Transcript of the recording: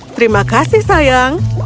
terima kasih sayang